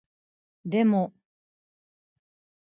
でも